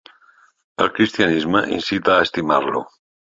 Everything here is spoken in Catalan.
El cristianisme incita a estimar-lo.